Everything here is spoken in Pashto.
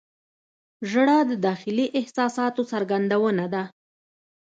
• ژړا د داخلي احساساتو څرګندونه ده.